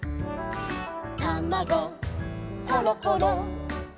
「たまごころころ」